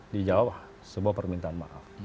dijawab sebuah permintaan maaf